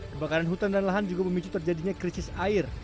kebakaran hutan dan lahan juga memicu terjadinya krisis air